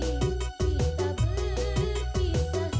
untuk apa kau berikan